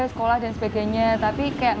sekolah dan sebagainya tapi kayak